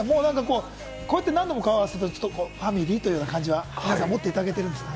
こうやって何度も顔を合わせていくとファミリーという感じを持っていただけてるんですか？